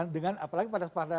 dengan apalagi pada